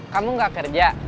kamu gak kerja